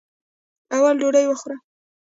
اول ډوډۍ وخوره.